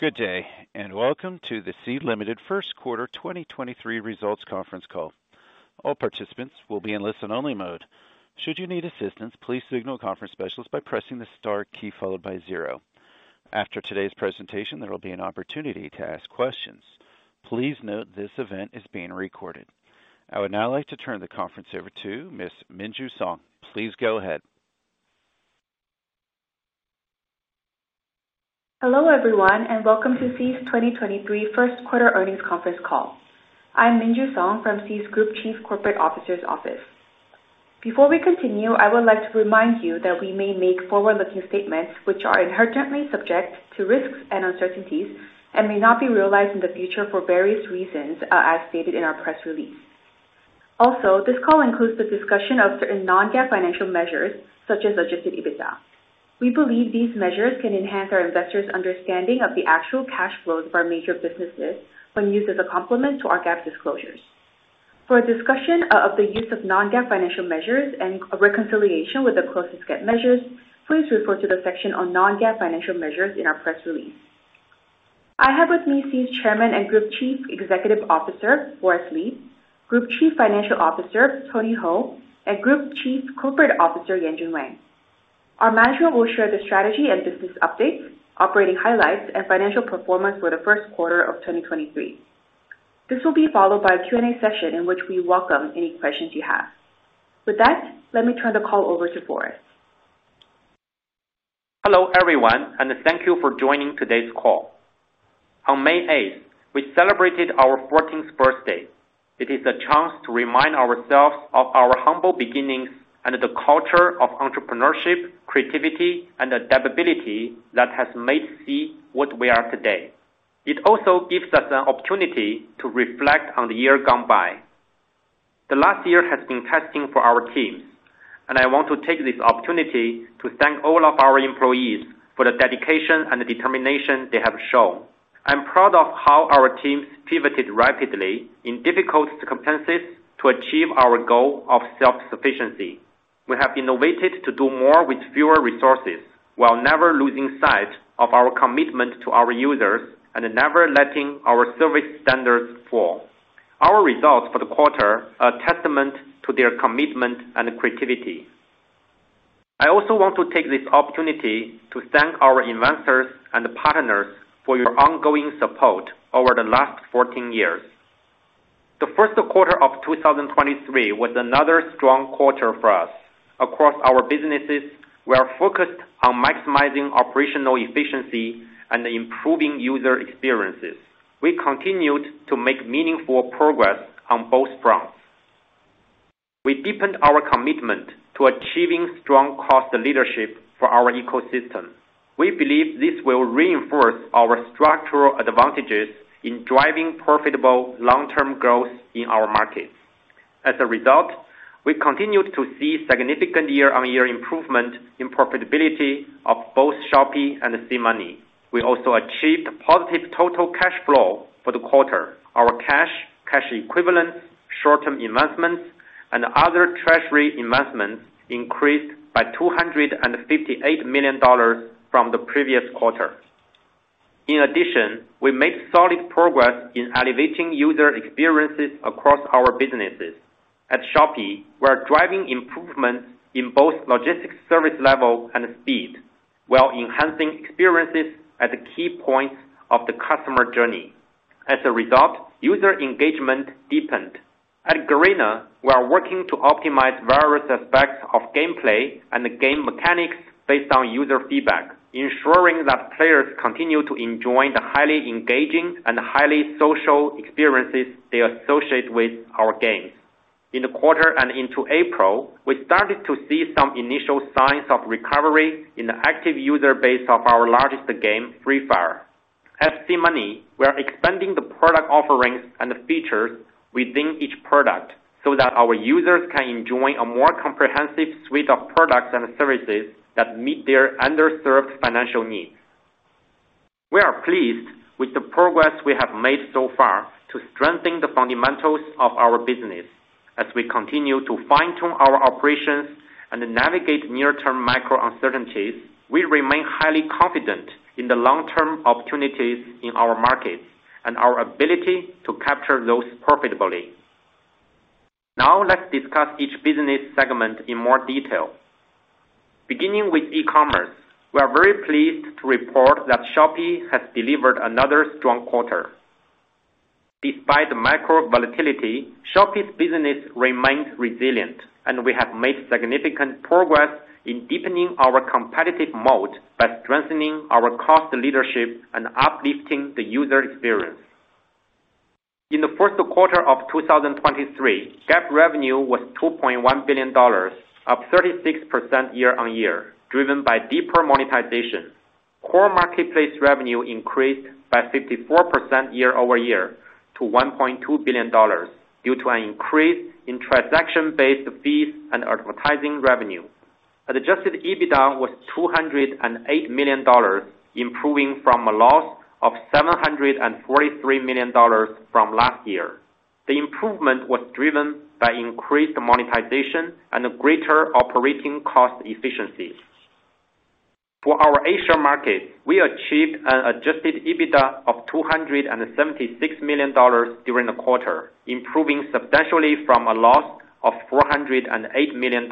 Good day, welcome to the Sea Limited First Quarter 2023 Results Conference Call. All participants will be in listen-only mode. Should you need assistance, please signal a conference specialist by pressing the star key followed by zero. After today's presentation, there will be an opportunity to ask questions. Please note this event is being recorded. I would now like to turn the conference over to Ms. Minju Song. Please go ahead. Hello, everyone, and welcome to Sea's 2023 first quarter earnings conference call. I'm Minju Song from Sea's Group Chief Corporate Officer's office. Before we continue, I would like to remind you that we may make forward-looking statements which are inherently subject to risks and uncertainties and may not be realized in the future for various reasons, as stated in our press release. This call includes the discussion of certain non-GAAP financial measures, such as Adjusted EBITDA. We believe these measures can enhance our investors' understanding of the actual cash flows of our major businesses when used as a complement to our GAAP disclosures. For a discussion of the use of non-GAAP financial measures and a reconciliation with the closest GAAP measures, please refer to the section on non-GAAP financial measures in our press release. I have with me Sea's Chairman and Group Chief Executive Officer, Forrest Li, Group Chief Financial Officer, Tony Hou, and Group Chief Corporate Officer, Yanjun Wang. Our management will share the strategy and business updates, operating highlights, and financial performance for the first quarter of 2023. This will be followed by a Q&A session in which we welcome any questions you have. With that, let me turn the call over to Forrest. Hello, everyone, and thank you for joining today's call. On May 8th, we celebrated our 14th birthday. It is a chance to remind ourselves of our humble beginnings and the culture of entrepreneurship, creativity, and adaptability that has made Sea what we are today. It also gives us an opportunity to reflect on the year gone by. The last year has been testing for our teams, and I want to take this opportunity to thank all of our employees for the dedication and determination they have shown. I'm proud of how our teams pivoted rapidly in difficult circumstances to achieve our goal of self-sufficiency. We have innovated to do more with fewer resources while never losing sight of our commitment to our users and never letting our service standards fall. Our results for the quarter are a testament to their commitment and creativity. I also want to take this opportunity to thank our investors and partners for your ongoing support over the last 14 years. The first quarter of 2023 was another strong quarter for us. Across our businesses, we are focused on maximizing operational efficiency and improving user experiences. We continued to make meaningful progress on both fronts. We deepened our commitment to achieving strong cost leadership for our ecosystem. We believe this will reinforce our structural advantages in driving profitable long-term growth in our markets. As a result, we continued to see significant year-on-year improvement in profitability of both Shopee and SeaMoney. We also achieved positive total cash flow for the quarter. Our cash equivalents, short-term investments, and other treasury investments increased by $258 million from the previous quarter. We made solid progress in elevating user experiences across our businesses. At Shopee, we're driving improvements in both logistics service level and speed while enhancing experiences at key points of the customer journey. As a result, user engagement deepened. At Garena, we are working to optimize various aspects of gameplay and game mechanics based on user feedback, ensuring that players continue to enjoy the highly engaging and highly social experiences they associate with our games. In the quarter and into April, we started to see some initial signs of recovery in the active user base of our largest game, Free Fire. At SeaMoney, we are expanding the product offerings and the features within each product so that our users can enjoy a more comprehensive suite of products and services that meet their underserved financial needs. We are pleased with the progress we have made so far to strengthen the fundamentals of our business. As we continue to fine-tune our operations and navigate near-term macro uncertainties, we remain highly confident in the long-term opportunities in our markets and our ability to capture those profitably. Let's discuss each business segment in more detail. Beginning with e-commerce, we are very pleased to report that Shopee has delivered another strong quarter. Despite the macro volatility, Shopee's business remains resilient and we have made significant progress in deepening our competitive mode by strengthening our cost leadership and uplifting the user experience. In the first quarter of 2023, GAAP revenue was $2.1 billion, up 36% year-on-year, driven by deeper monetization. Core marketplace revenue increased by 54% year-over-year to $1.2 billion due to an increase in transaction-based fees and advertising revenue. Adjusted EBITDA was $208 million, improving from a loss of $743 million from last year. The improvement was driven by increased monetization and greater operating cost efficiency. For our Asia market, we achieved an Adjusted EBITDA of $276 million during the quarter, improving substantially from a loss of $408 million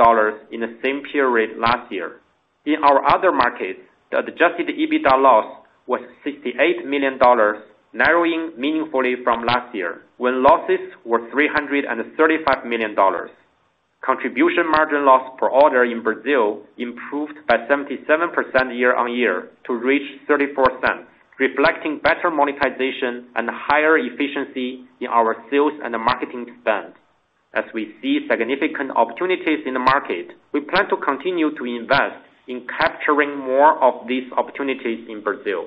in the same period last year. In our other markets, the Adjusted EBITDA loss was $68 million, narrowing meaningfully from last year, when losses were $335 million. Contribution margin loss per order in Brazil improved by 77% year-on-year to reach $0.34, reflecting better monetization and higher efficiency in our sales and marketing spend. As we see significant opportunities in the market, we plan to continue to invest in capturing more of these opportunities in Brazil.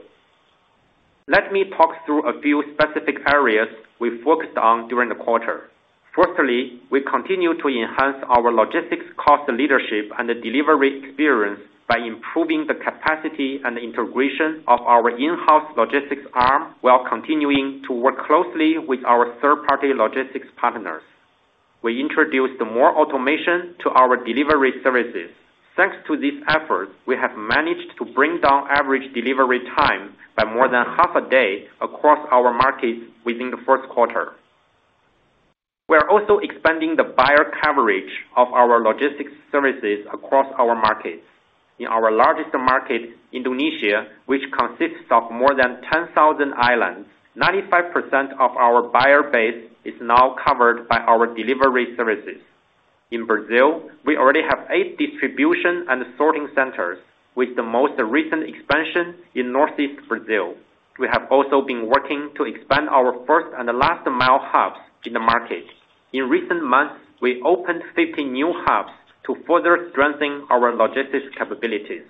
Let me talk through a few specific areas we focused on during the quarter. Firstly, we continue to enhance our logistics cost leadership and delivery experience by improving the capacity and integration of our in-house logistics arm, while continuing to work closely with our third-party logistics partners. We introduced more automation to our delivery services. Thanks to these efforts, we have managed to bring down average delivery time by more than half a day across our markets within the first quarter. We are also expanding the buyer coverage of our logistics services across our markets. In our largest market, Indonesia, which consists of more than 10,000 islands, 95% of our buyer base is now covered by our delivery services. In Brazil, we already have eight distribution and sorting centers, with the most recent expansion in Northeast Brazil. We have also been working to expand our first and last-mile hubs in the market. In recent months, we opened 50 new hubs to further strengthen our logistics capabilities.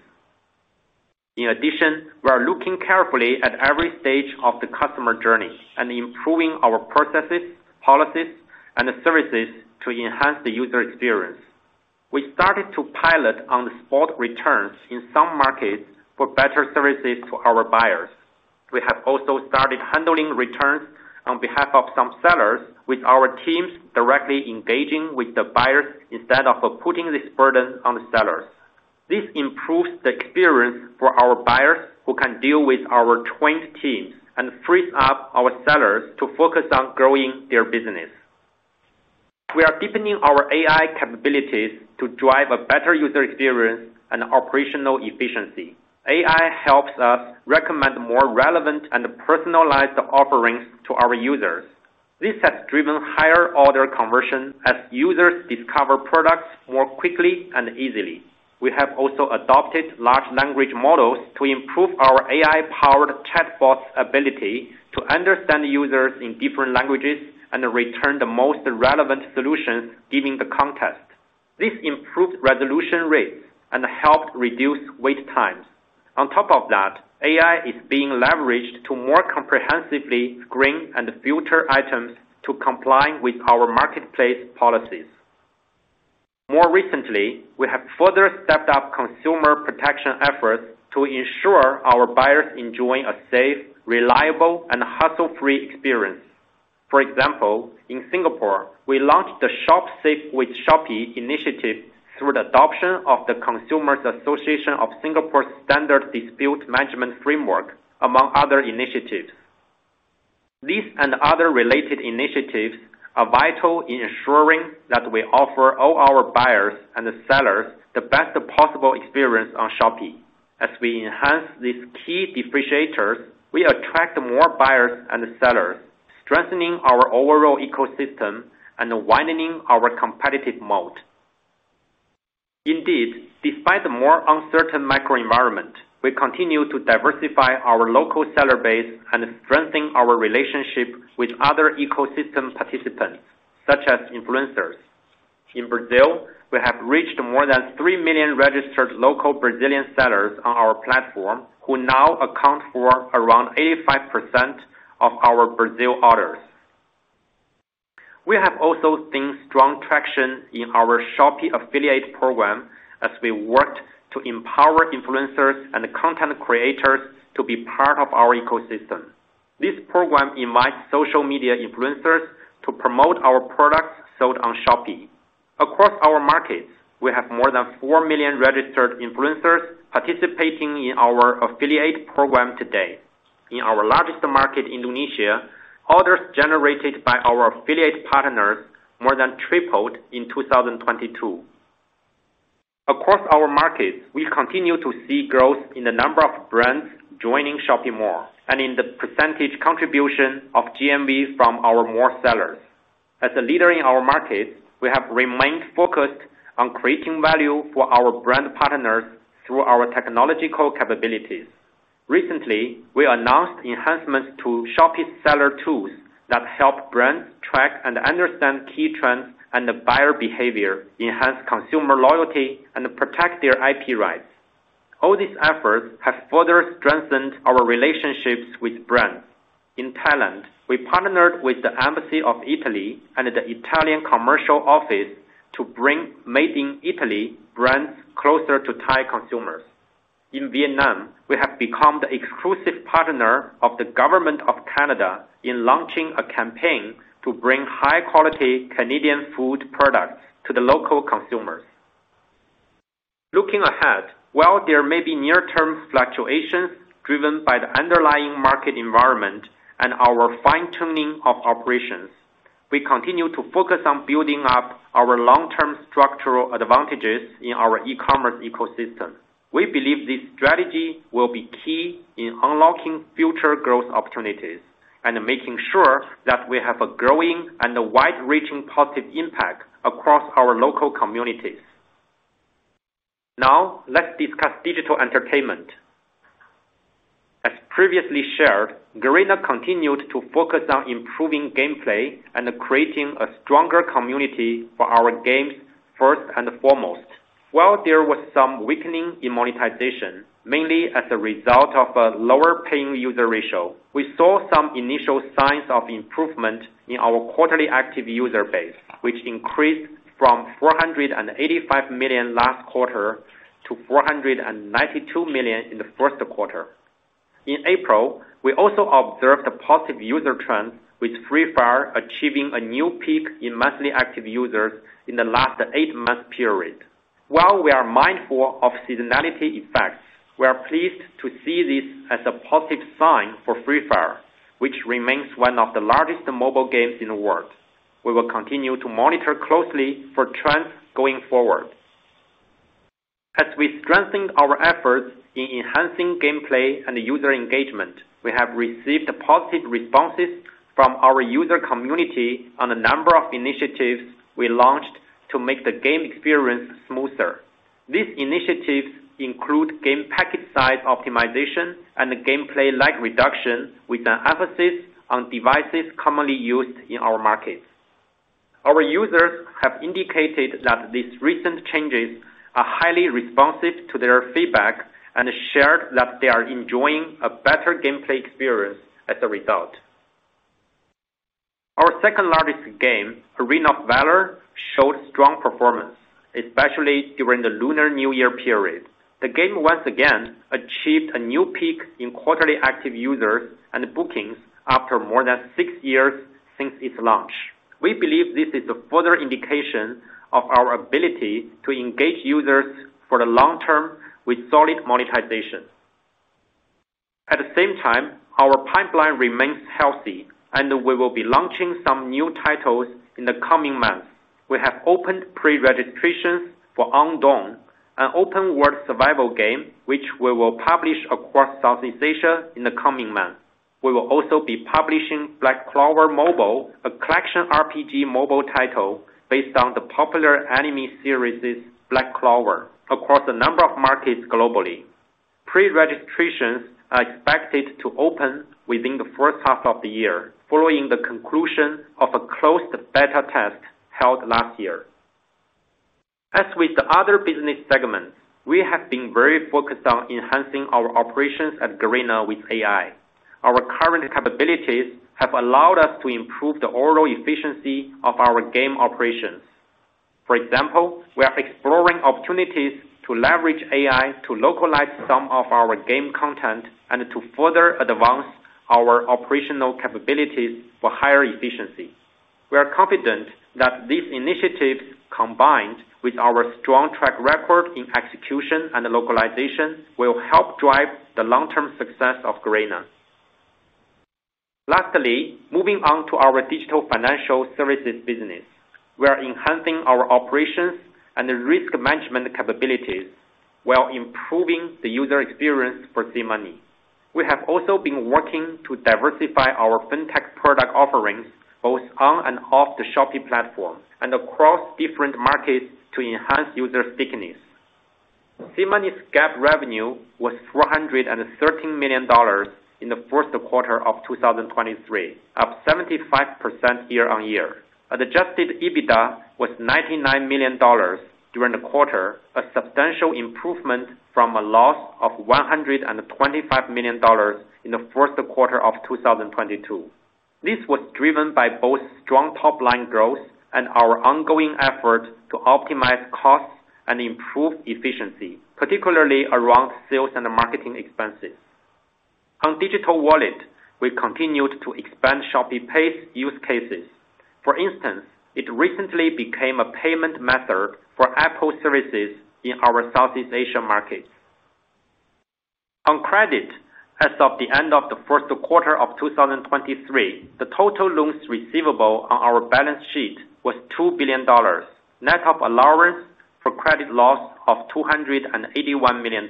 We are looking carefully at every stage of the customer journey and improving our processes, policies, and services to enhance the user experience. We started to pilot on-the-spot returns in some markets for better services to our buyers. We have also started handling returns on behalf of some sellers with our teams directly engaging with the buyers instead of putting this burden on the sellers. This improves the experience for our buyers who can deal with our trained teams and frees up our sellers to focus on growing their business. We are deepening our AI capabilities to drive a better user experience and operational efficiency. AI helps us recommend more relevant and personalized offerings to our users. This has driven higher order conversion as users discover products more quickly and easily. We have also adopted large language models to improve our AI-powered chatbot's ability to understand users in different languages and return the most relevant solutions given the context. This improved resolution rates and helped reduce wait times. On top of that, AI is being leveraged to more comprehensively screen and filter items to comply with our marketplace policies. More recently, we have further stepped up consumer protection efforts to ensure our buyers enjoying a safe, reliable, and hassle-free experience. For example, in Singapore, we launched the Shop Safe with Shopee initiative through the adoption of the Consumers Association of Singapore's standard dispute management framework, among other initiatives. These and other related initiatives are vital in ensuring that we offer all our buyers and sellers the best possible experience on Shopee. As we enhance these key differentiators, we attract more buyers and sellers, strengthening our overall ecosystem and widening our competitive moat. Indeed, despite the more uncertain macro environment, we continue to diversify our local seller base and strengthen our relationship with other ecosystem participants, such as influencers. In Brazil, we have reached more than 3 million registered local Brazilian sellers on our platform, who now account for around 85% of our Brazil orders. We have also seen strong traction in our Shopee Affiliate Program as we worked to empower influencers and content creators to be part of our ecosystem. This program invites social media influencers to promote our products sold on Shopee. Across our markets, we have more than 4 million registered influencers participating in our affiliate program today. In our largest market, Indonesia, orders generated by our affiliate partners more than tripled in 2022. Across our markets, we continue to see growth in the number of brands joining Shopee Mall and in the percentage contribution of GMV from our more sellers. As a leader in our markets, we have remained focused on creating value for our brand partners through our technological capabilities. Recently, we announced enhancements to Shopee's seller tools that help brands track and understand key trends and buyer behavior, enhance consumer loyalty, and protect their IP rights. All these efforts have further strengthened our relationships with brands. In Thailand, we partnered with the Embassy of Italy and the Italian Trade Agency to bring Made in Italy brands closer to Thai consumers. In Vietnam, we have become the exclusive partner of the government of Canada in launching a campaign to bring high quality Canadian food products to the local consumers. Looking ahead, while there may be near-term fluctuations driven by the underlying market environment and our fine-tuning of operations, we continue to focus on building up our long-term structural advantages in our e-commerce ecosystem. We believe this strategy will be key in unlocking future growth opportunities and making sure that we have a growing and a wide-reaching positive impact across our local communities. Let's discuss digital entertainment. As previously shared, Garena continued to focus on improving gameplay and creating a stronger community for our games first and foremost. While there was some weakening in monetization, mainly as a result of a lower paying user ratio, we saw some initial signs of improvement in our quarterly active user base, which increased from 485 million last quarter to 492 million in the first quarter. In April, we also observed a positive user trend, with Free Fire achieving a new peak in monthly active users in the last eight-month period. While we are mindful of seasonality effects, we are pleased to see this as a positive sign for Free Fire, which remains one of the largest mobile games in the world. We will continue to monitor closely for trends going forward. As we strengthen our efforts in enhancing gameplay and user engagement, we have received positive responses from our user community on a number of initiatives we launched to make the game experience smoother. These initiatives include game package size optimization and gameplay lag reduction, with an emphasis on devices commonly used in our markets. Our users have indicated that these recent changes are highly responsive to their feedback, and shared that they are enjoying a better gameplay experience as a result. Our second-largest game, Arena of Valor, showed strong performance, especially during the Lunar New Year period. The game once again achieved a new peak in quarterly active users and bookings after more than six years since its launch. We believe this is a further indication of our ability to engage users for the long term with solid monetization. At the same time, our pipeline remains healthy and we will be launching some new titles in the coming months. We have opened pre-registrations for Undawn, an open world survival game, which we will publish across Southeast Asia in the coming months. We will also be publishing Black Clover Mobile, a collection RPG mobile title based on the popular anime series Black Clover across a number of markets globally. Pre-registrations are expected to open within the first half of the year, following the conclusion of a closed beta test held last year. As with the other business segments, we have been very focused on enhancing our operations at Garena with AI. Our current capabilities have allowed us to improve the overall efficiency of our game operations. For example, we are exploring opportunities to leverage AI to localize some of our game content and to further advance our operational capabilities for higher efficiency. We are confident that these initiatives, combined with our strong track record in execution and localization, will help drive the long-term success of Garena. Lastly, moving on to our digital financial services business. We are enhancing our operations and risk management capabilities while improving the user experience for SeaMoney. We have also been working to diversify our Fintech product offerings both on and off the Shopee platform and across different markets to enhance user stickiness. SeaMoney's GAAP revenue was $413 million in the first quarter of 2023, up 75% year-on-year. Adjusted EBITDA was $99 million during the quarter, a substantial improvement from a loss of $125 million in the first quarter of 2022. This was driven by both strong top-line growth and our ongoing effort to optimize costs and improve efficiency, particularly around sales and marketing expenses. On digital wallet, we continued to expand ShopeePay's use cases. For instance, it recently became a payment method for Apple services in our Southeast Asia markets. On credit, as of the end of the first quarter of 2023, the total loans receivable on our balance sheet was $2 billion, net of allowance for credit loss of $281 million.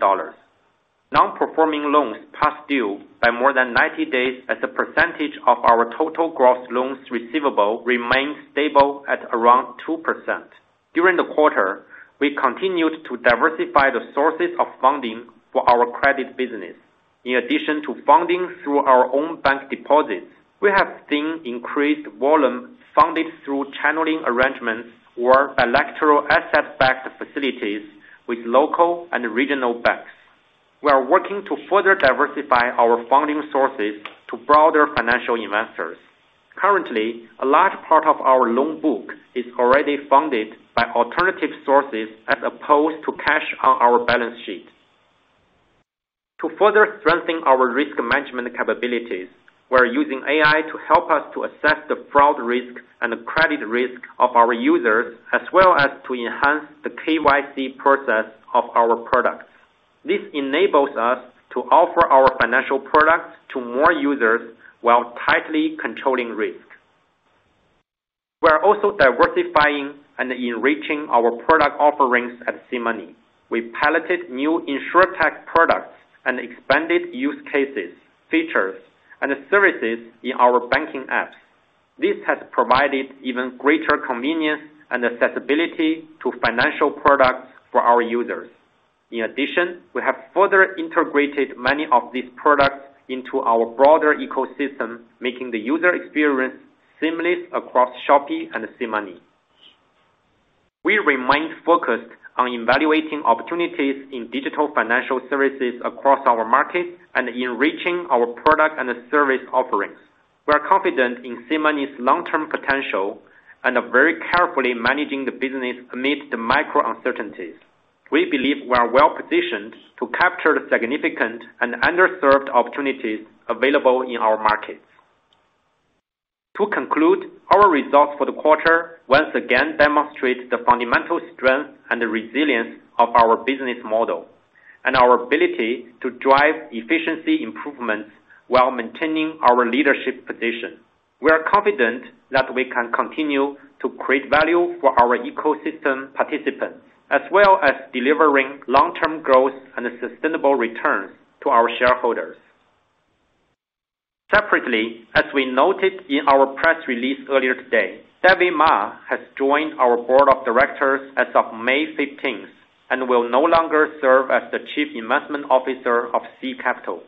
Non-performing loans past due by more than 90 days as a percentage of our total gross loans receivable remains stable at around 2%. During the quarter, we continued to diversify the sources of funding for our credit business. In addition to funding through our own bank deposits, we have seen increased volume funded through channeling arrangements or bilateral asset-backed facilities with local and regional banks. We are working to further diversify our funding sources to broader financial investors. Currently, a large part of our loan book is already funded by alternative sources as opposed to cash on our balance sheet. To further strengthen our risk management capabilities, we're using AI to help us to assess the fraud risk and the credit risk of our users, as well as to enhance the KYC process of our products. This enables us to offer our financial products to more users while tightly controlling risk. We are also diversifying and enriching our product offerings at SeaMoney. We piloted new InsurTech products and expanded use cases, features, and services in our banking apps. This has provided even greater convenience and accessibility to financial products for our users. In addition, we have further integrated many of these products into our broader ecosystem, making the user experience seamless across Shopee and SeaMoney. We remain focused on evaluating opportunities in digital financial services across our markets and enriching our product and service offerings. We are confident in SeaMoney's long-term potential and are very carefully managing the business amidst the macro uncertainties. We believe we are well-positioned to capture the significant and underserved opportunities available in our markets. To conclude, our results for the quarter once again demonstrate the fundamental strength and the resilience of our business model and our ability to drive efficiency improvements while maintaining our leadership position. We are confident that we can continue to create value for our ecosystem participants, as well as delivering long-term growth and sustainable returns to our shareholders. Separately, as we noted in our press release earlier today, David Ma has joined our board of directors as of May 15th and will no longer serve as the Chief Investment Officer of Sea Capital.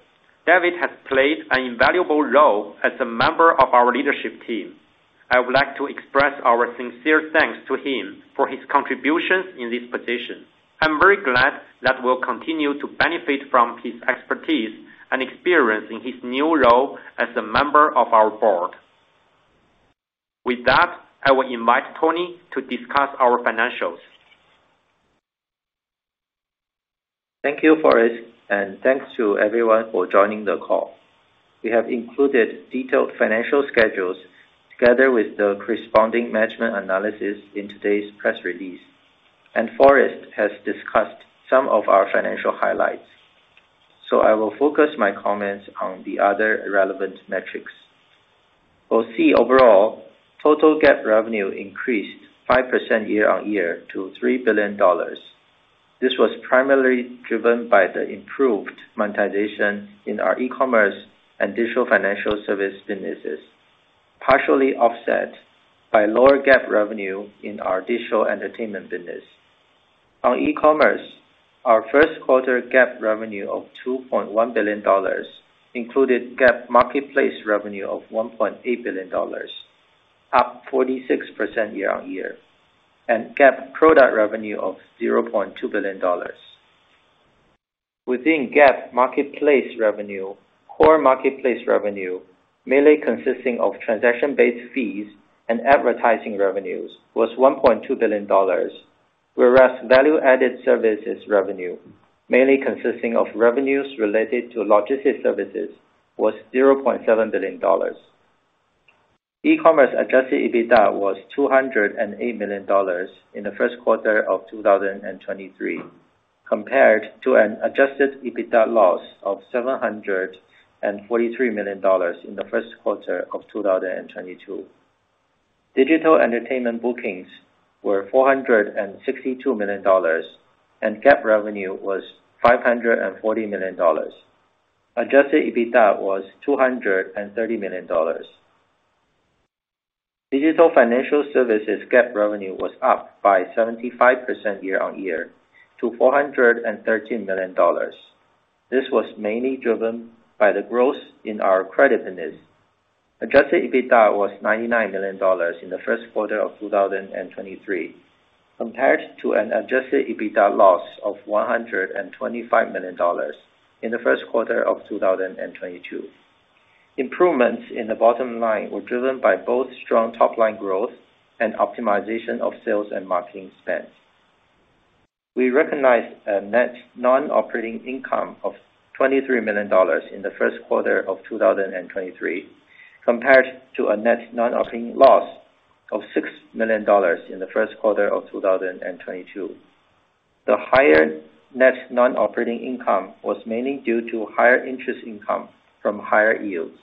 David has played an invaluable role as a member of our leadership team. I would like to express our sincere thanks to him for his contributions in this position. I'm very glad that we'll continue to benefit from his expertise and experience in his new role as a member of our board. With that, I will invite Tony to discuss our financials. Thank you, Forrest, and thanks to everyone for joining the call. We have included detailed financial schedules together with the corresponding management analysis in today's press release, and Forrest has discussed some of our financial highlights. I will focus my comments on the other relevant metrics. For Sea overall, total GAAP revenue increased 5% year-on-year to $3 billion. This was primarily driven by the improved monetization in our e-commerce and digital financial service businesses, partially offset by lower GAAP revenue in our digital entertainment business. On e-commerce, our first quarter GAAP revenue of $2.1 billion included GAAP marketplace revenue of $1.8 billion, up 46% year-on-year, and GAAP product revenue of $0.2 billion. Within GAAP marketplace revenue, core marketplace revenue, mainly consisting of transaction-based fees and advertising revenues, was $1.2 billion, whereas value-added services revenue, mainly consisting of revenues related to logistics services, was $0.7 billion. E-commerce Adjusted EBITDA was $208 million in the first quarter of 2023, compared to an Adjusted EBITDA loss of $743 million in the first quarter of 2022. Digital entertainment bookings were $462 million. GAAP revenue was $540 million. Adjusted EBITDA was $230 million. Digital financial services GAAP revenue was up by 75% year-on-year to $413 million. This was mainly driven by the growth in our credit business. Adjusted EBITDA was $99 million in the first quarter of 2023, compared to an Adjusted EBITDA loss of $125 million in the first quarter of 2022. Improvements in the bottom line were driven by both strong top-line growth and optimization of sales and marketing spend. We recognized a net non-operating income of $23 million in the first quarter of 2023, compared to a net non-operating loss of $6 million in the first quarter of 2022. The higher net non-operating income was mainly due to higher interest income from higher yields.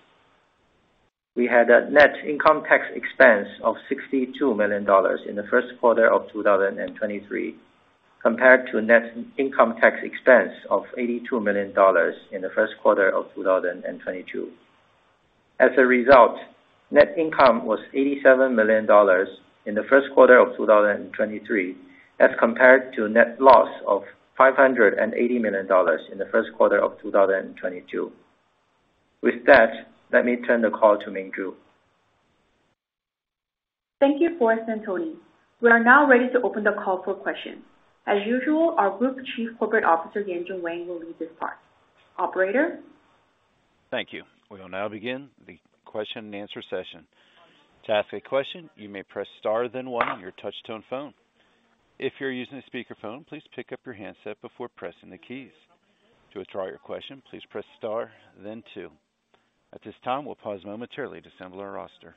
We had a net income tax expense of $62 million in the first quarter of 2023, compared to net income tax expense of $82 million in the first quarter of 2022. As a result, net income was $87 million in the first quarter of 2023 as compared to net loss of $580 million in the first quarter of 2022. With that, let me turn the call to Minju. Thank you, Forrest and Tony. We are now ready to open the call for questions. As usual, our Group Chief Corporate Officer, Yanjun Wang, will lead this part. Operator? Thank you. We will now begin the question and answer session. To ask a question, you may press star then one on your touchtone phone. If you're using a speakerphone, please pick up your handset before pressing the keys. To withdraw your question, please press star then two. At this time, we'll pause momentarily to assemble our roster.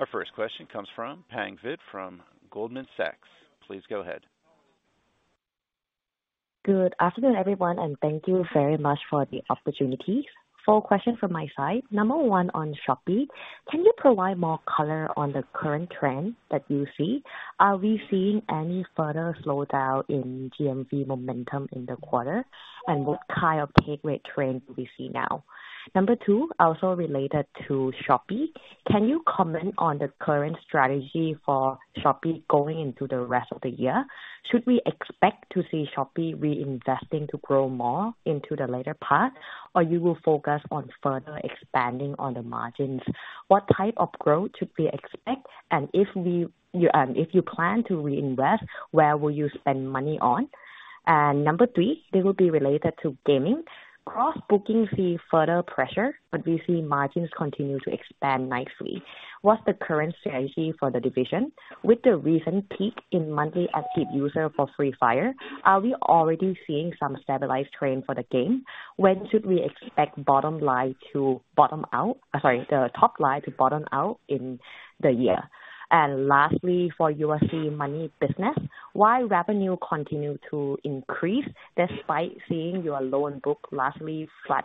Our first question comes from Pang Vittayaamnuaykoon from Goldman Sachs. Please go ahead. Good afternoon, everyone. Thank you very much for the opportunity. Four questions from my side. Number one on Shopee, can you provide more color on the current trend that you see? Are we seeing any further slowdown in GMV momentum in the quarter? What kind of paid rate trend do we see now? Number two, also related to Shopee, can you comment on the current strategy for Shopee going into the rest of the year? Should we expect to see Shopee reinvesting to grow more into the later part, or you will focus on further expanding on the margins? What type of growth should we expect? If you plan to reinvest, where will you spend money on? Number three, this will be related to gaming. Cross-booking see further pressure. We see margins continue to expand nicely. What's the current strategy for the division? With the recent peak in monthly active user for Free Fire, are we already seeing some stabilized trend for the game? When should we expect bottom line to bottom out. Sorry, the top line to bottom out in the year? Lastly, for your SeaMoney business, why revenue continue to increase despite seeing your loan book largely flat,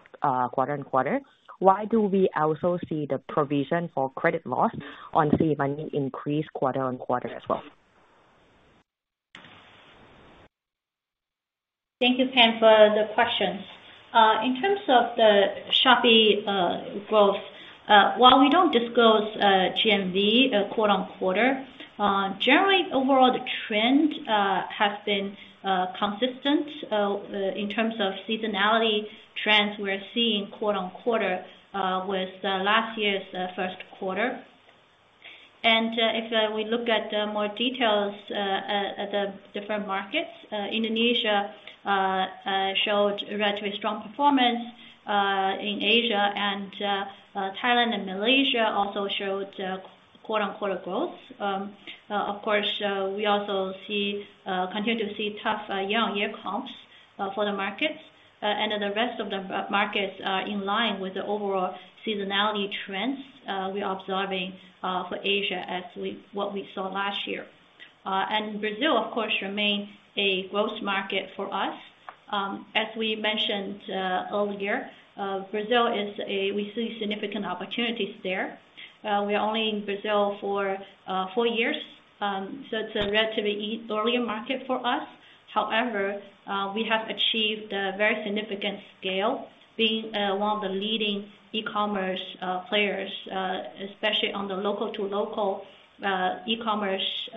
quarter-on-quarter? Why do we also see the provision for credit loss on SeaMoney increase quarter-on-quarter as well? Thank you, Pang, for the questions. In terms of the Shopee growth, while we don't disclose GMV quarter-on-quarter, generally overall the trend has been consistent in terms of seasonality trends we're seeing quarter-on-quarter, with last year's first quarter. If we look at more details at the different markets, Indonesia showed relatively strong performance in Asia and Thailand and Malaysia also showed quarter-on-quarter growth. Of course, we also see continue to see tough year-on-year comps for the markets. The rest of the markets are in line with the overall seasonality trends we're observing for Asia as what we saw last year. Brazil, of course, remains a growth market for us. As we mentioned, earlier, we see significant opportunities there. We're only in Brazil for four years, so it's a relatively earlier market for us. However, we have achieved a very significant scale being, one of the leading e-commerce, players, especially on the local to local, e-commerce,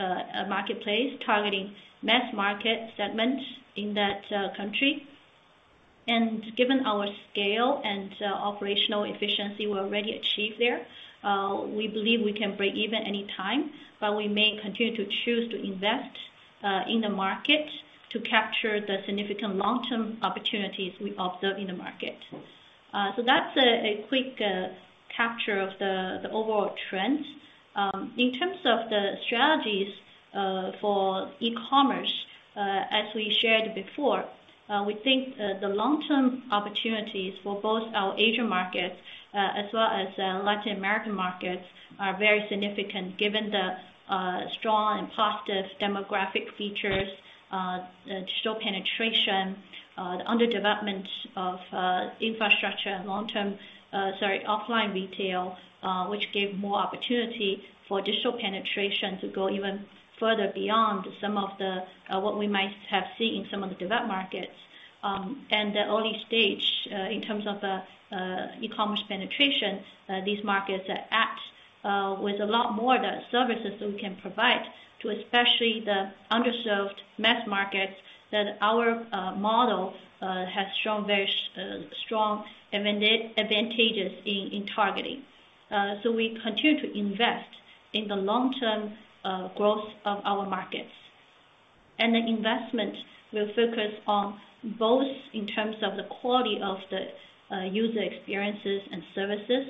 marketplace, targeting mass market segments in that, country. Given our scale and, operational efficiency we already achieved there, we believe we can break even any time, but we may continue to choose to invest in the market to capture the significant long-term opportunities we observe in the market. That's a quick, capture of the overall trends. In terms of the strategies for e-commerce, as we shared before, we think the long-term opportunities for both our Asia markets, as well as Latin American markets are very significant given the strong and positive demographic features, digital penetration, the underdevelopment of infrastructure and long-term, sorry, offline retail, which gave more opportunity for digital penetration to go even further beyond some of the what we might have seen in some of the developed markets. The early stage in terms of e-commerce penetration, these markets are at with a lot more the services that we can provide to especially the underserved mass markets that our model has shown very strong advantageous in targeting. We continue to invest in the long-term growth of our markets. The investment will focus on both in terms of the quality of the user experiences and services.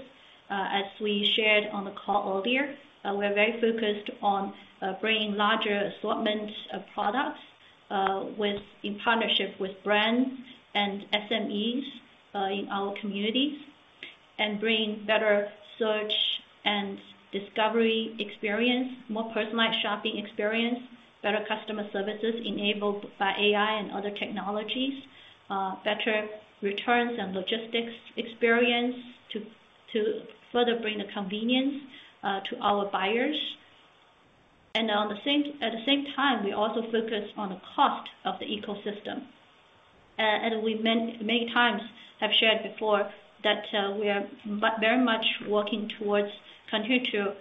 As we shared on the call earlier, we're very focused on bringing larger assortment of products in partnership with brands and SMEs in our communities. Bring better search and discovery experience, more personalized shopping experience, better customer services enabled by AI and other technologies, better returns and logistics experience to further bring the convenience to our buyers. At the same time, we also focus on the cost of the ecosystem. We've many times have shared before that, we are very much working towards continue to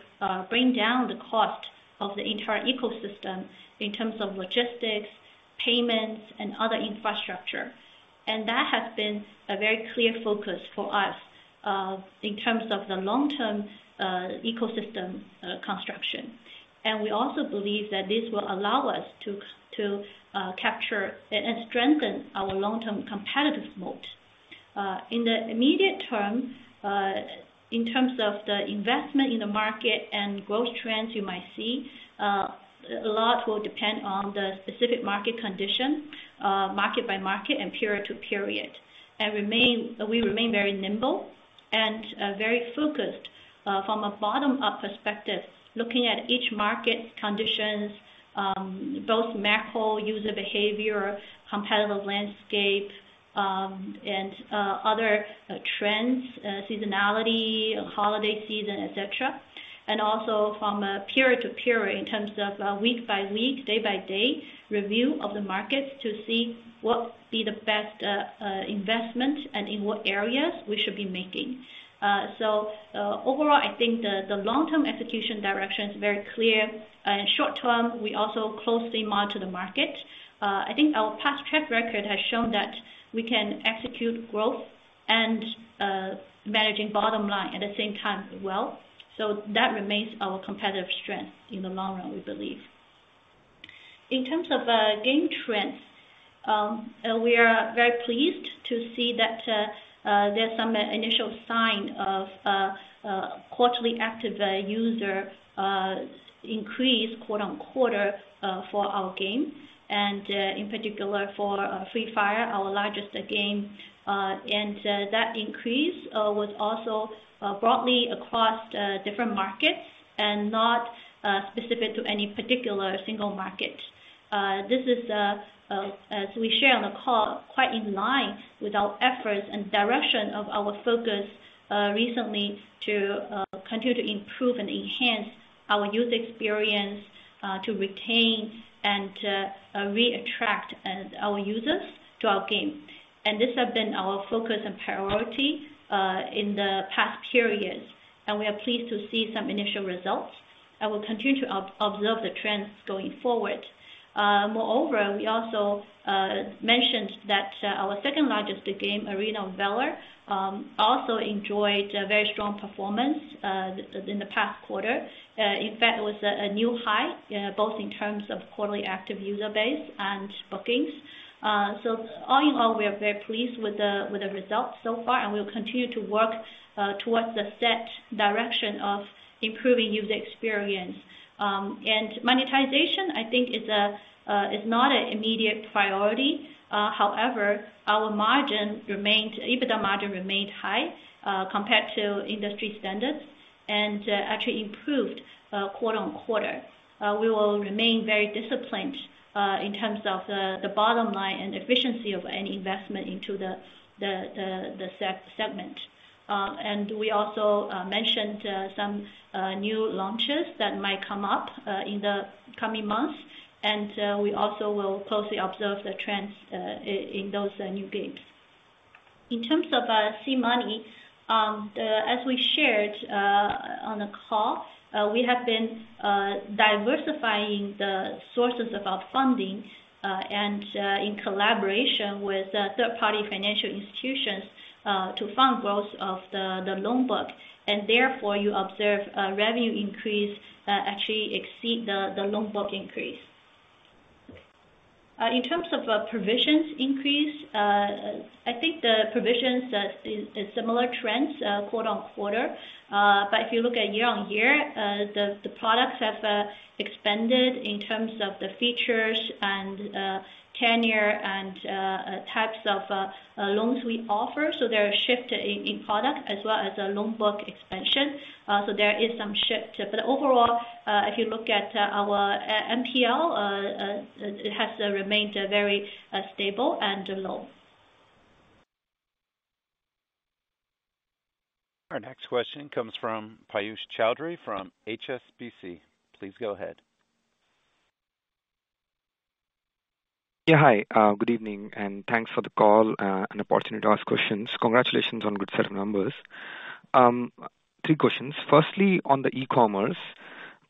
bring down the cost of the entire ecosystem in terms of logistics-Payments and other infrastructure. That has been a very clear focus for us in terms of the long-term ecosystem construction. We also believe that this will allow us to capture and strengthen our long-term competitive moat. In the immediate term, in terms of the investment in the market and growth trends you might see, a lot will depend on the specific market condition, market by market and period to period. We remain very nimble and very focused from a bottom-up perspective, looking at each market conditions, both macro user behavior, competitive landscape, and other trends, seasonality, holiday season, et cetera. Also from period to period in terms of week-by-week, day-by-day review of the markets to see what would be the best investment and in what areas we should be making. Overall, I think the long-term execution direction is very clear. In short-term, we also closely monitor the market. I think our past track record has shown that we can execute growth and managing bottom line at the same time as well. That remains our competitive strength in the long run, we believe. In terms of game trends, we are very pleased to see that there's some initial sign of quarterly active user increase quarter-on-quarter for our game and in particular for Free Fire, our largest game. That increase was also broadly across different markets and not specific to any particular single market. This is as we share on the call, quite in line with our efforts and direction of our focus recently to continue to improve and enhance our user experience to retain and to re-attract our users to our game. This has been our focus and priority in the past periods, and we are pleased to see some initial results. We'll continue to observe the trends going forward. Moreover, we also mentioned that our second-largest game, Arena of Valor, also enjoyed a very strong performance in the past quarter. In fact, it was a new high both in terms of quarterly active user base and bookings. All in all, we are very pleased with the results so far, and we'll continue to work towards the set direction of improving user experience. Monetization, I think is not an immediate priority. However, our margin remained, EBITDA margin remained high, compared to industry standards and actually improved quarter-on-quarter. We will remain very disciplined in terms of the bottom line and efficiency of any investment into the segment. We also mentioned some new launches that might come up in the coming months. We also will closely observe the trends in those new games. In terms of SeaMoney, as we shared on the call, we have been diversifying the sources of our funding, in collaboration with third-party financial institutions, to fund growth of the loan book. Therefore, you observe a revenue increase, actually exceed the loan book increase. In terms of provisions increase, I think the provisions has similar trends quarter-on-quarter. But if you look at year-on-year, the products have expanded in terms of the features and tenure and types of loans we offer. There are shift in product as well as a loan book expansion. There is some shift. Overall, if you look at, our M-NPL, it has remained very stable and low. Our next question comes from Piyush Choudhary from HSBC. Please go ahead. Yeah, hi. Good evening, and thanks for the call, an opportunity to ask questions. Congratulations on good set of numbers. Three questions. Firstly, on the e-commerce,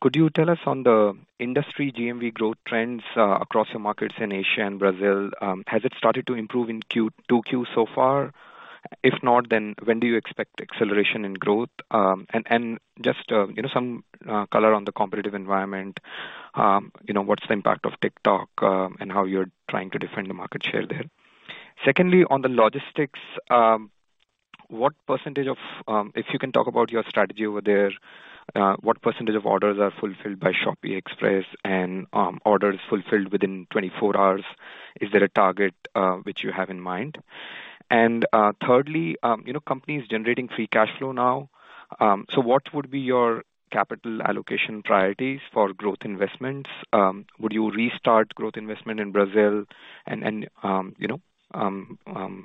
could you tell us on the industry GMV growth trends across the markets in Asia and Brazil, has it started to improve in 2Q so far? If not, when do you expect acceleration in growth? Just, you know, some color on the competitive environment. You know, what's the impact of TikTok, and how you're trying to defend the market share there. Secondly, on the logistics, what percentage of, if you can talk about your strategy over there, what percentage of orders are fulfilled by Shopee Express and orders fulfilled within 24 hours? Is there a target which you have in mind? Thirdly, you know, company is generating free cash flow now. What would be your capital allocation priorities for growth investments? Would you restart growth investment in Brazil and, you know,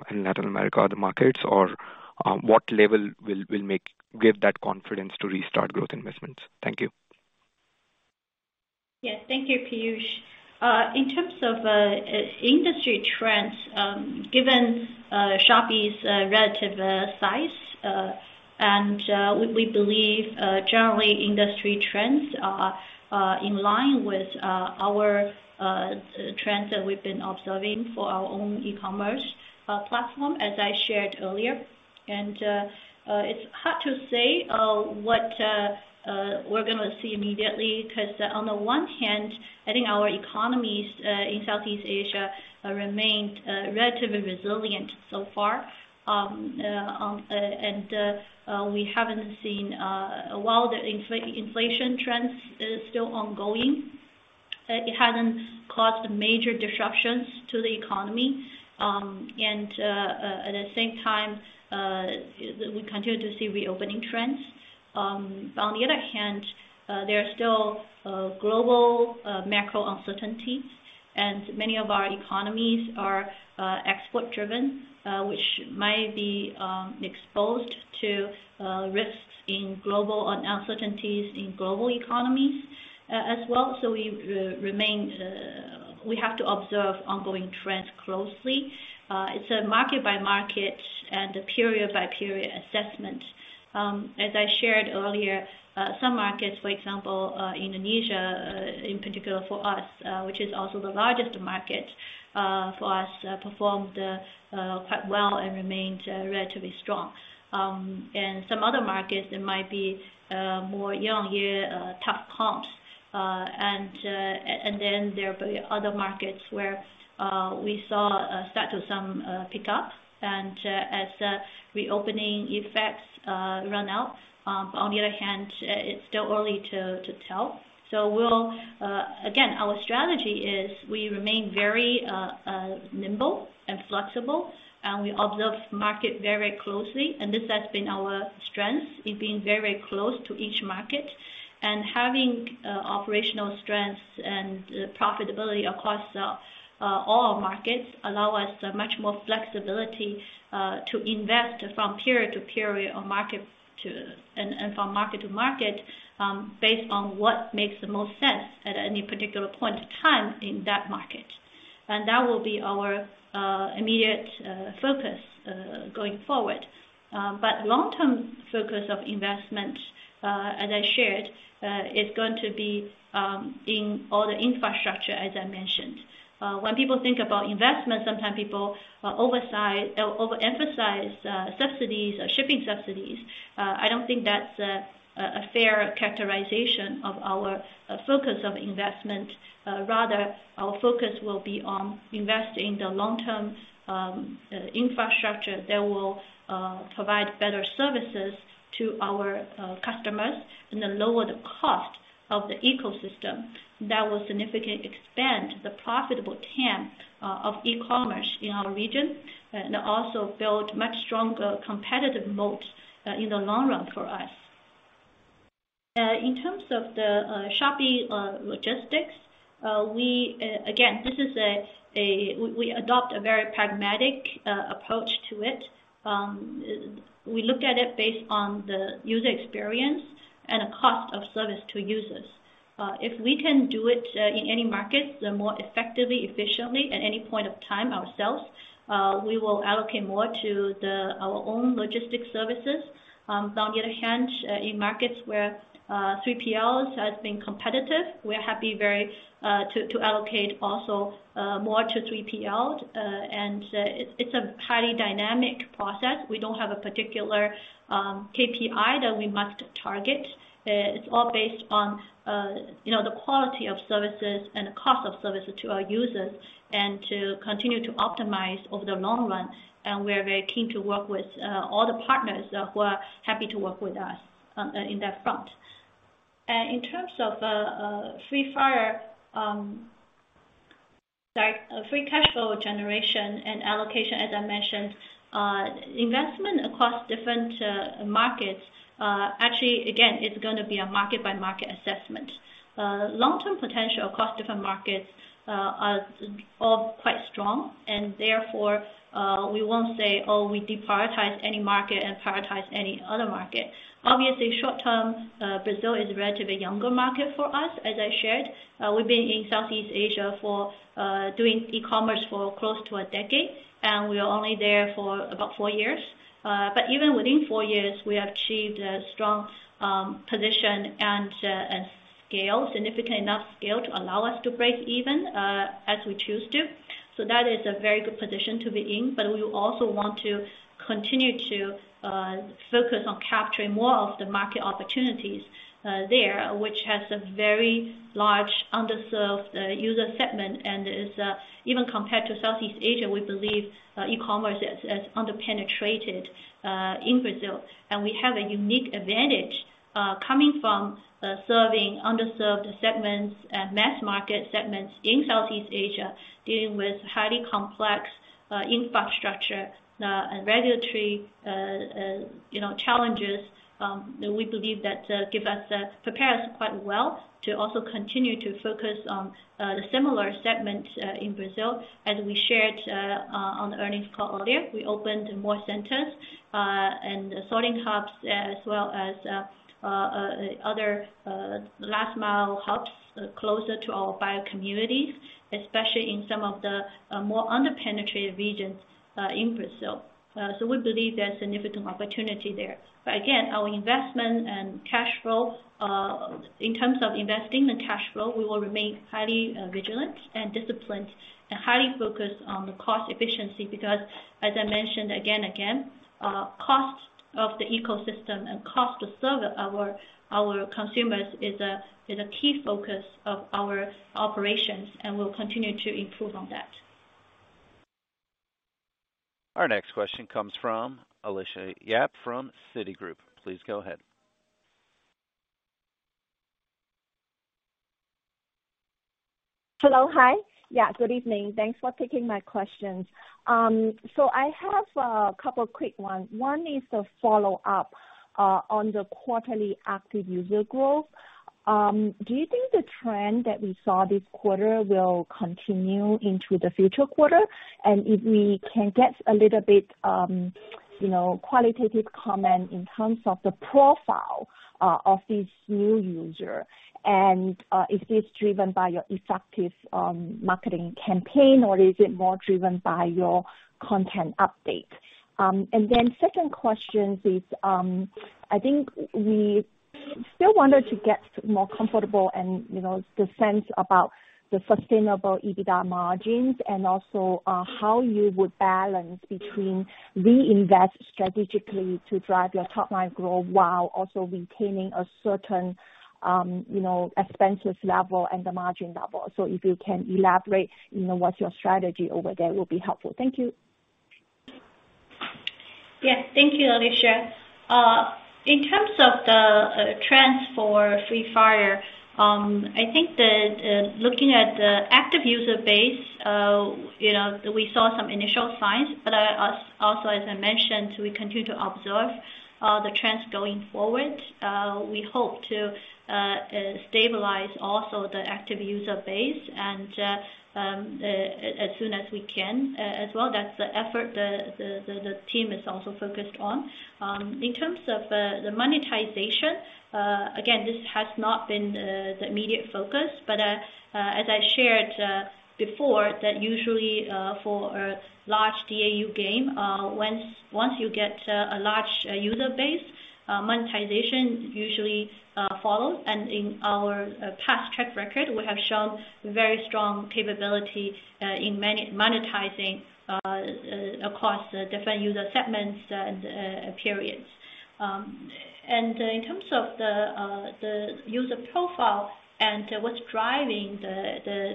in Latin America, other markets? What level will give that confidence to restart growth investments? Thank you. Yes. Thank you, Piyush. In terms of industry trends, given Shopee's relative size, and we believe generally industry trends are in line with our trends that we've been observing for our own e-commerce platform, as I shared earlier. It's hard to say what we're gonna see immediately. 'Cause on the one hand, I think our economies in Southeast Asia remained relatively resilient so far. We haven't seen while the inflation trends is still ongoing, it hasn't caused major disruptions to the economy. At the same time, we continue to see reopening trends. On the other hand, there are still global macro uncertainties. Many of our economies are export driven, which might be exposed to risks in global or uncertainties in global economies as well. We have to observe ongoing trends closely. It's a market-by-market and a period-by-period assessment. As I shared earlier, some markets, for example, Indonesia, in particular for us, which is also the largest market for us, performed quite well and remained relatively strong. Some other markets that might be more year-on-year tough comps. Then there'll be other markets where we saw start to pick up and as reopening effects run out. On the other hand, it's still early to tell. We'll. Again, our strategy is we remain very nimble and flexible, and we observe market very closely. This has been our strength, is being very close to each market. Having operational strengths and profitability across all our markets allow us much more flexibility to invest from period to period or from market to market, based on what makes the most sense at any particular point of time in that market. That will be our immediate focus going forward. Long-term focus of investment, as I shared, is going to be in all the infrastructure, as I mentioned. When people think about investment, sometimes people overemphasize subsidies, shipping subsidies. I don't think that's a fair characterization of our focus of investment. Rather our focus will be on investing the long-term infrastructure that will provide better services to our customers and then lower the cost of the ecosystem. That will significantly expand the profitable TAM of e-commerce in our region and also build much stronger competitive moat in the long run for us. In terms of the Shopee logistics, we again, this is a. We adopt a very pragmatic approach to it. We look at it based on the user experience and the cost of service to users. If we can do it in any market the more effectively, efficiently at any point of time ourselves, we will allocate more to our own logistics services. On the other hand, in markets where 3PLs has been competitive, we're happy very to allocate also more to 3PL. It's a highly dynamic process. We don't have a particular KPI that we must target. It's all based on, you know, the quality of services and the cost of services to our users and to continue to optimize over the long run. We are very keen to work with all the partners who are happy to work with us in that front. In terms of Free Fire. Sorry. Free cash flow generation and allocation, as I mentioned, investment across different markets, actually, again, it's gonna be a market-by-market assessment. Long-term potential across different markets are all quite strong and therefore, we won't say, "Oh, we deprioritize any market and prioritize any other market." Obviously, short term, Brazil is a relatively younger market for us, as I shared. We've been in Southeast Asia for doing e-commerce for close to a decade, and we are only there for about four years. Even within four years we achieved a strong position and scale, significant enough scale to allow us to break even as we choose to. That is a very good position to be in. We also want to continue to focus on capturing more of the market opportunities there, which has a very large underserved user segment. Is, even compared to Southeast Asia, we believe e-commerce is under-penetrated in Brazil. We have a unique advantage coming from serving underserved segments and mass market segments in Southeast Asia, dealing with highly complex infrastructure and regulatory, you know, challenges, that we believe that prepare us quite well to also continue to focus on the similar segment in Brazil. As we shared on the earnings call earlier, we opened more centers and sorting hubs as well. The other last mile helps closer to our buyer communities, especially in some of the more under-penetrated regions in Brazil. We believe there's significant opportunity there. Again, our investment and cash flow. In terms of investing and cash flow, we will remain highly vigilant and disciplined and highly focused on the cost efficiency, because as I mentioned again and again, cost of the ecosystem and cost to serve our consumers is a key focus of our operations, and we'll continue to improve on that. Our next question comes from Alicia Yap from Citigroup. Please go ahead. Hello. Hi. Yeah, good evening. Thanks for taking my questions. I have a couple quick ones. One is a follow-up on the quarterly active user growth. Do you think the trend that we saw this quarter will continue into the future quarter? If we can get a little bit, you know, qualitative comment in terms of the profile of this new user, is this driven by your effective marketing campaign, or is it more driven by your content update? Second question is, I think we still wanted to get more comfortable and, you know, the sense about the sustainable EBITDA margins and also how you would balance between reinvest strategically to drive your top line growth while also retaining a certain, you know, expenses level and the margin level. If you can elaborate, you know, what's your strategy over there will be helpful. Thank you. Yes. Thank you, Alicia. In terms of the trends for Free Fire, I think the looking at the active user base, you know, we saw some initial signs, but also as I mentioned, we continue to observe the trends going forward. We hope to stabilize also the active user base, and as soon as we can. As well that's the effort the team is also focused on. In terms of the monetization, again, this has not been the immediate focus, but as I shared before, that usually for a large DAU game, once you get a large user base, monetization usually follows. In our past track record, we have shown very strong capability in monetizing across the different user segments and periods. In terms of the user profile and what's driving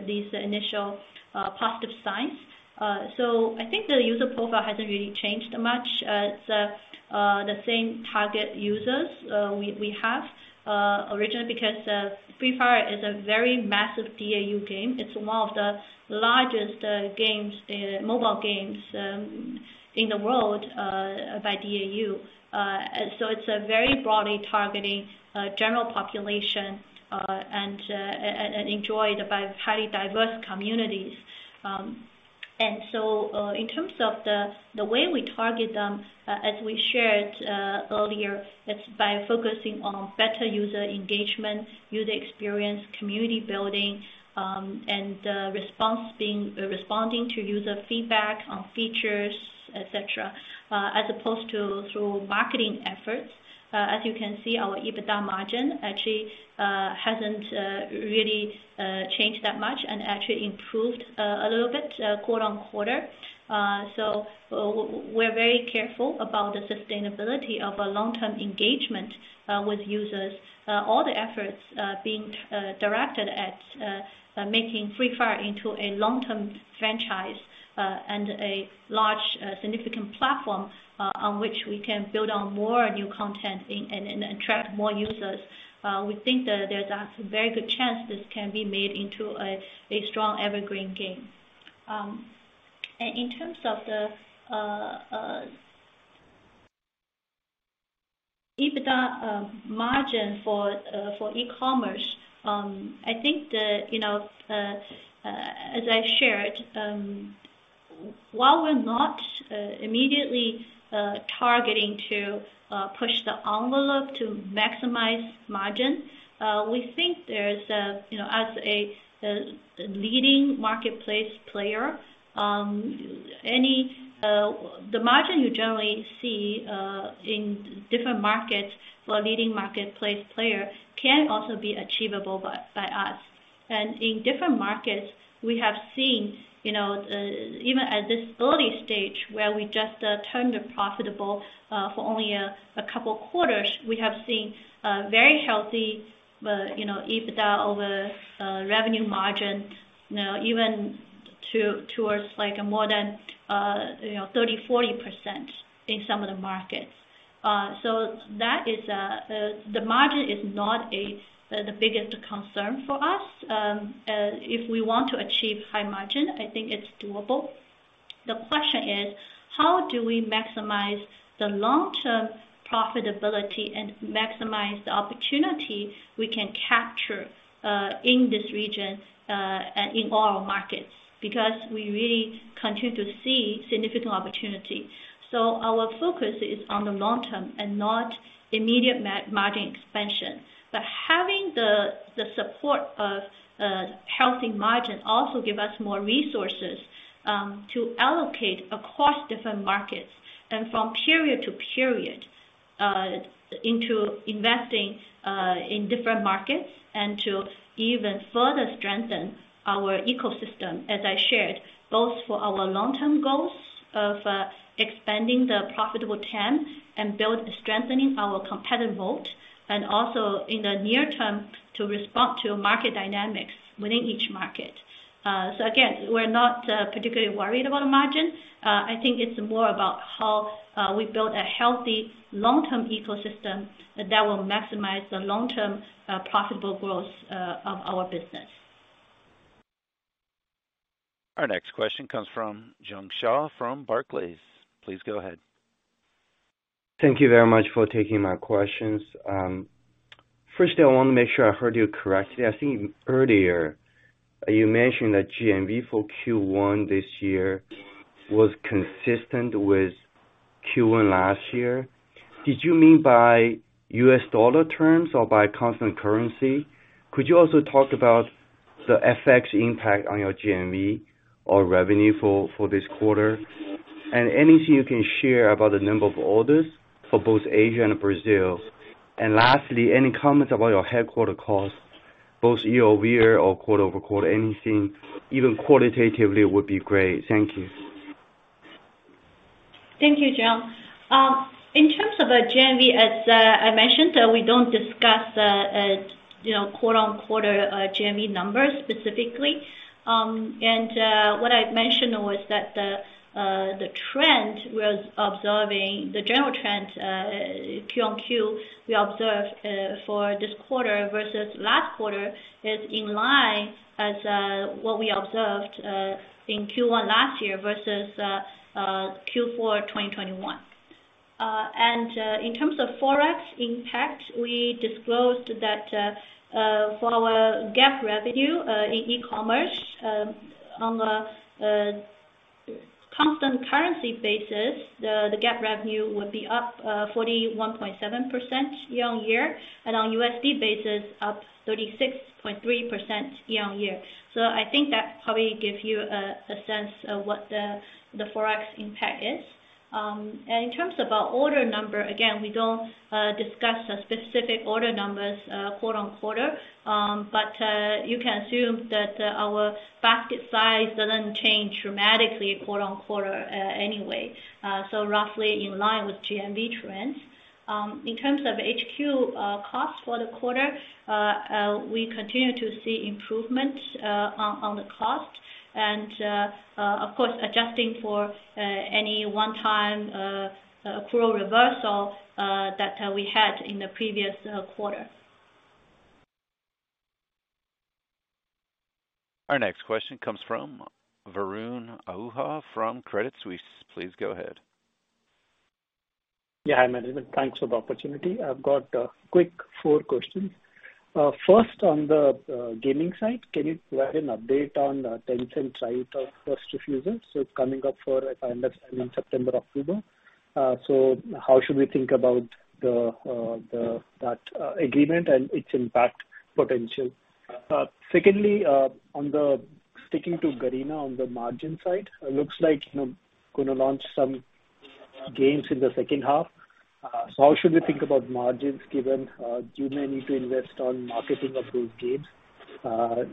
these initial positive signs. I think the user profile hasn't really changed much. It's the same target users we have originally because Free Fire is a very massive DAU game. It's one of the largest games, mobile games, in the world by DAU. It's a very broadly targeting general population and enjoyed by highly diverse communities. In terms of the way we target them, as we shared earlier, it's by focusing on better user engagement, user experience, community building, and responding to user feedback on features, et cetera, as opposed to through marketing efforts. As you can see, our EBITDA margin actually hasn't really changed that much and actually improved a little bit quarter-on-quarter. We're very careful about the sustainability of a long-term engagement with users. All the efforts being directed at making Free Fire into a long-term franchise and a large, significant platform on which we can build on more new content and attract more users. We think that there's a very good chance this can be made into a strong evergreen game. And in terms of the EBITDA margin for e-commerce, I think the, you know, as I shared, while we're not immediately targeting to push the envelope to maximize margin, we think there's a, you know, as a leading marketplace player, any the margin you generally see in different markets for a leading marketplace player can also be achievable by us. In different markets, we have seen, you know, even at this early stage where we just turned it profitable for only a couple quarters, we have seen a very healthy, you know, EBITDA over revenue margin, you know, even towards like more than, you know, 30%-40% in some of the markets. That is, the margin is not the biggest concern for us. If we want to achieve high margin, I think it's doable. The question is, how do we maximize the long-term profitability and maximize the opportunity we can capture in this region and in all our markets? We really continue to see significant opportunity. Our focus is on the long term and not immediate margin expansion. Having the support of healthy margin also give us more resources to allocate across different markets and from period to period into investing in different markets and to even further strengthen our ecosystem, as I shared, both for our long-term goals of expanding the profitable term and build strengthening our competitive moat. Also in the near term, to respond to market dynamics within each market. Again, we're not particularly worried about margin. I think it's more about how we build a healthy long-term ecosystem that will maximize the long-term profitable growth of our business. Our next question comes from Jiong Shao from Barclays. Please go ahead. Thank you very much for taking my questions. Firstly, I wanna make sure I heard you correctly. I think earlier you mentioned that GMV for Q1 this year was consistent with Q1 last year. Did you mean by U.S. dollar terms or by constant currency? Could you also talk about the FX impact on your GMV or revenue for this quarter? Anything you can share about the number of orders for both Asia and Brazil. Lastly, any comments about your headquarter costs, both year-over-year or quarter-over-quarter? Anything even qualitatively would be great. Thank you. Thank you, Jiong. In terms of the GMV, as I mentioned, we don't discuss, you know, quarter-on-quarter GMV numbers specifically. What I mentioned was that the trend was observing the general trend, Q-on-Q, we observed for this quarter versus last quarter, is in line as what we observed in Q1 last year versus Q4 2021. In terms of forex impact, we disclosed that for our GAAP revenue in e-commerce, on the constant currency basis, the GAAP revenue would be up 41.7% year-on-year, and on USD basis, up 36.3% year-on-year. I think that probably gives you a sense of what the forex impact is. In terms of our order number, again, we don't discuss the specific order numbers quarter-on-quarter. You can assume that our basket size doesn't change dramatically quarter-on-quarter anyway, so roughly in line with GMV trends. In terms of HQ cost for the quarter, we continue to see improvement on the cost. Of course, adjusting for any one-time accrual reversal that we had in the previous quarter. Our next question comes from Varun Ahuja from Credit Suisse. Please go ahead. Yeah. Thanks for the opportunity. I've got four questions. First, on the gaming side, can you provide an update on the Tencent title, right of first refusal? So it's coming up for, if I understand, in September, October. How should we think about that agreement and its impact potential? Secondly, sticking to Garena on the margin side, it looks like, you know, going to launch some games in the second half. How should we think about margins given you may need to invest on marketing of those games?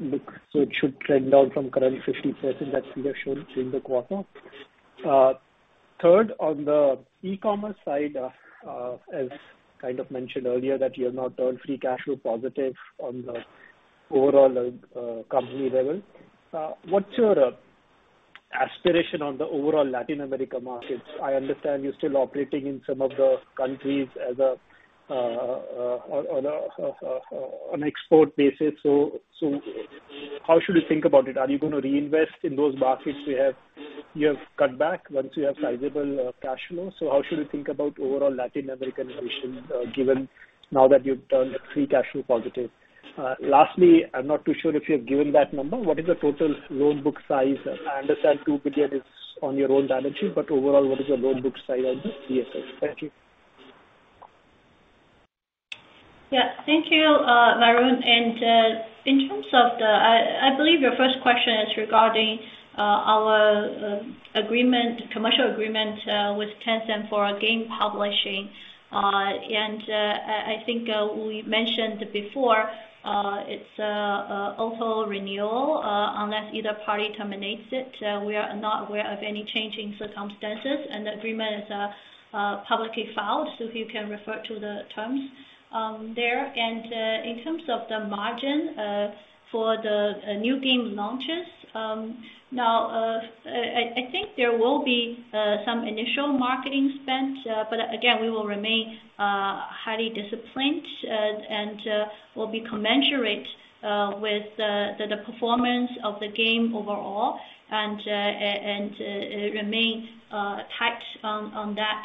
Look, it should trend down from current 50% that you have shown in the quarter. Third, on the e-commerce side, as kind of mentioned earlier, that you have now turned free cash flow positive on the overall company level. What's your aspiration on the overall Latin America markets? I understand you're still operating in some of the countries as a, on a, on export basis? How should we think about it? Are you gonna reinvest in those markets you have cut back once you have sizable cash flow? How should we think about overall Latin American vision, given now that you've turned free cash flow positive? Lastly, I'm not too sure if you've given that number? What is the total loan book size? I understand $2 billion is on your own balance sheet, but overall, what is your loan book size on the CSS? Thank you. Yeah. Thank you, Varun. In terms of the, I believe your first question is regarding our commercial agreement with Tencent for game publishing. I think we mentioned before, it's an auto renewal unless either party terminates it. We are not aware of any changing circumstances, and the agreement is publicly filed, so you can refer to the terms there. In terms of the margin for the new game launches, now, I think there will be some initial marketing spent, but again, we will remain highly disciplined and will be commensurate with the performance of the game overall and remain tight on that.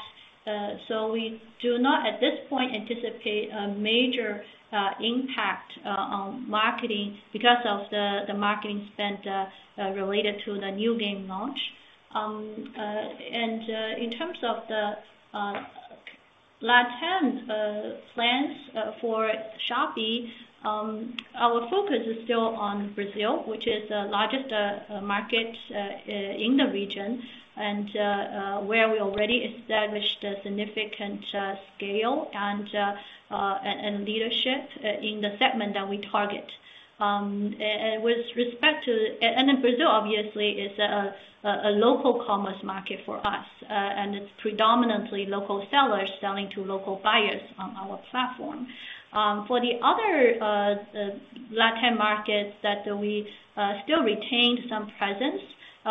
We do not, at this point, anticipate a major impact on marketing because of the marketing spend related to the new game launch. In terms of the LatAm plans for Shopee, our focus is still on Brazil, which is the largest market in the region and where we already established a significant scale and leadership in the segment that we target. With respect to. Then Brazil obviously is a local commerce market for us, and it's predominantly local sellers selling to local buyers on our platform. For the other LatAm markets that we still retain some presence,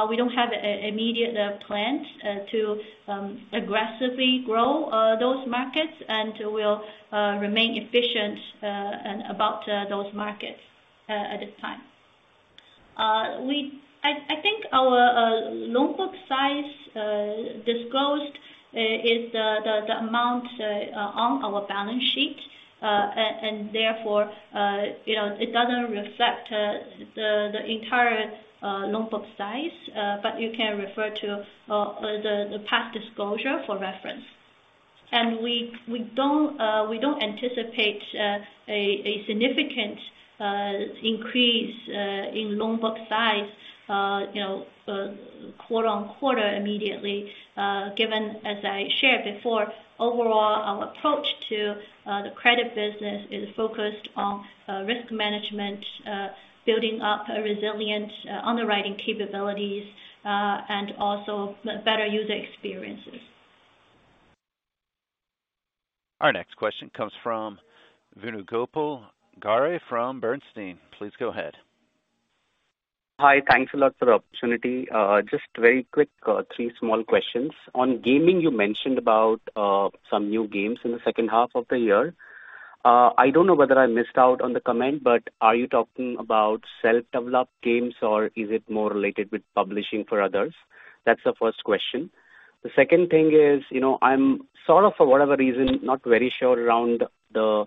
we don't have immediate plans to aggressively grow those markets, and we'll remain efficient about those markets at this time. We I think our loan book size disclosed is the amount on our balance sheet. Therefore, you know, it doesn't reflect the entire loan book size. You can refer to the past disclosure for reference. We don't anticipate a significant increase in loan book size, you know, quarter-on-quarter immediately, given, as I shared before, overall, our approach to the credit business is focused on risk management, building up a resilient underwriting capabilities, and also better user experiences. Our next question comes from Venugopal Garre from Bernstein. Please go ahead. Hi. Thanks a lot for the opportunity. Just very quick, three small questions. On gaming, you mentioned about some new games in the second half of the year. I don't know whether I missed out on the comment, but are you talking about self-developed games, or is it more related with publishing for others? That's the first question. The second thing is, you know, I'm sort of, for whatever reason, not very sure around the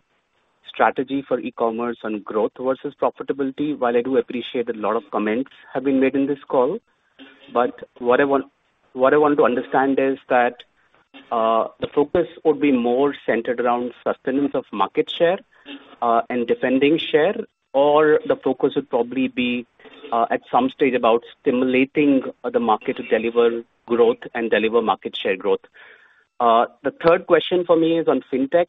strategy for e-commerce and growth versus profitability. While I do appreciate a lot of comments have been made in this call, but what I want to understand is that, the focus would be more centered around sustenance of market share, and defending share or the focus would probably be, at some stage about stimulating the market to deliver growth and deliver market share growth. The third question for me is on fintech.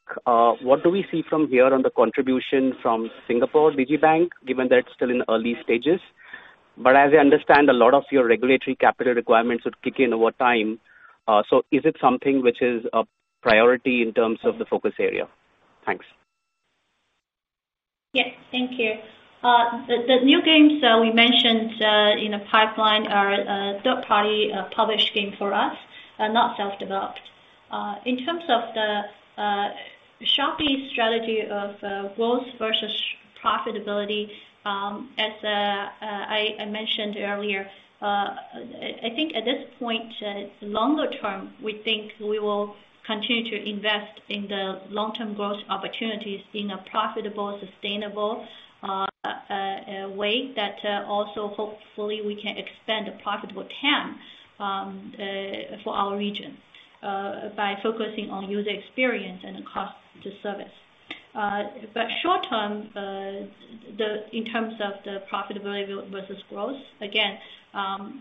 What do we see from here on the contribution from Singapore MariBank, given that it's still in early stages? As I understand, a lot of your regulatory capital requirements would kick in over time. Is it something which is a priority in terms of the focus area? Thanks. Yes. Thank you. The new games that we mentioned in the pipeline are third-party published game for us, not self-developed. In terms of the Shopee strategy of growth versus profitability, as I mentioned earlier, I think at this point, it's longer term, we think we will continue to invest in the long-term growth opportunities in a profitable, sustainable way that also, hopefully we can expand the profitable TAM for our region by focusing on user experience and cost to service. Short term, in terms of the profitability versus growth, again,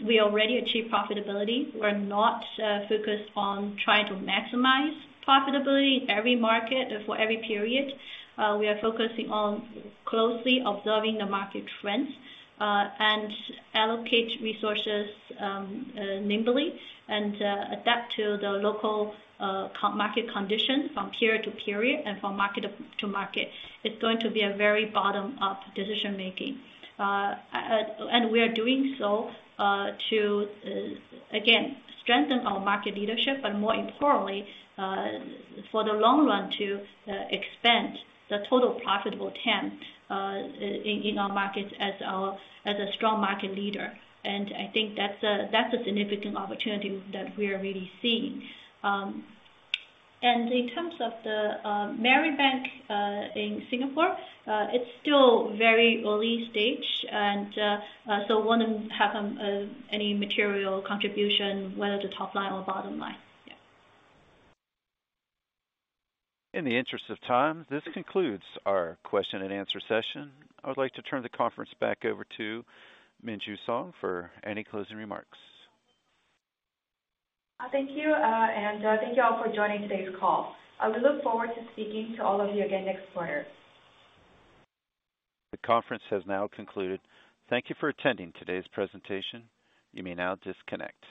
we already achieved profitability. We're not focused on trying to maximize profitability in every market or for every period. We are focusing on closely observing the market trends and allocate resources nimbly and adapt to the local co-market condition from period to period and from market to market. It's going to be a very bottom-up decision-making. We are doing so to again, strengthen our market leadership, but more importantly, for the long run, to expand the total profitable TAM in our markets as a strong market leader. I think that's a significant opportunity that we are really seeing. In terms of the MariBank in Singapore, it's still very early stage and so won't have any material contribution whether the top line or bottom line. Yeah. In the interest of time, this concludes our question and answer session. I would like to turn the conference back over to Minju Song for any closing remarks. Thank you, and, thank you all for joining today's call. We look forward to speaking to all of you again next quarter. The conference has now concluded. Thank you for attending today's presentation. You may now disconnect.